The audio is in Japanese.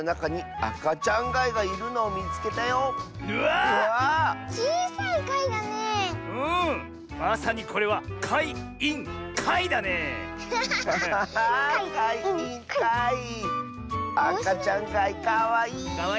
あかちゃんがいかわいい！